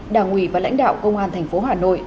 đảng ủy và lãnh đạo công an thành phố hà nội